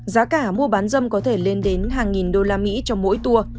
giá cả mua bán dâm có thể lên đến hàng nghìn đô la mỹ cho mỗi tour